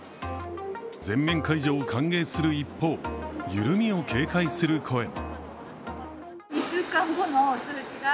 全面解除を歓迎する一方緩みを警戒する声も。